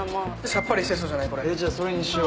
さっぱりしてそうじゃない？